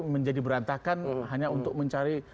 menjadi berantakan hanya untuk mencari